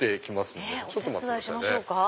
お手伝いしましょうか？